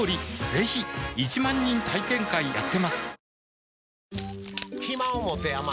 ぜひ１万人体験会やってますはぁ。